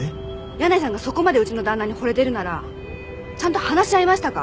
箭内さんがそこまでうちの旦那に惚れてるならちゃんと話し合いましたか？